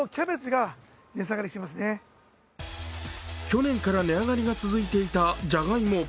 去年から値上がりが続いていたじゃがいも。